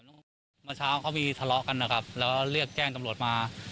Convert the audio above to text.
เมื่อเช้าเขามีทะเลาะกันนะครับแล้วเรียกแจ้งตำรวจมา